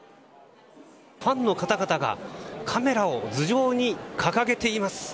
ファンの方々がカメラを頭上に掲げています。